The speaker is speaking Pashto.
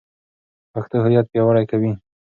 پښتو هویت پیاوړی کوي.